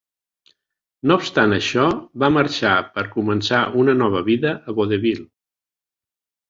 No obstant això, va marxar per començar una nova vida a Vaudeville.